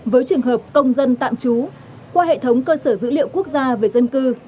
với trường hợp công dân tạm trú qua hệ thống cơ sở dữ liệu quốc gia về dân cư